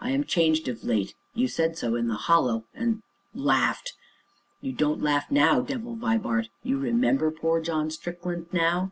I am changed of late you said so in the Hollow, and laughed. You don't laugh now, Devil Vibart, you remember poor John Strickland now."